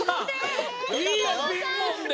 いいよピンポンで。